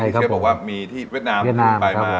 เค้าบอกว่ามีที่เวียดนามไปมา